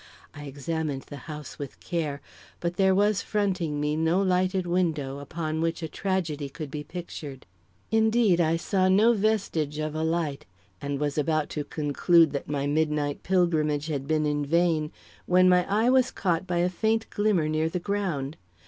I examined the house with care, but there was fronting me no lighted window upon which a tragedy could be pictured. Indeed, I saw no vestige of a light and was about to conclude that my midnight pilgrimage had been in vain, when my eye was caught by a faint glimmer near the ground.